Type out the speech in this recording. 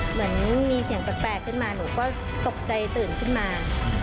เหมือนมีเสียงแปลกขึ้นมาหนูก็ตกใจตื่นขึ้นมา